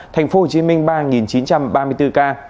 thành phố hồ chí minh ba chín trăm ba mươi bốn ca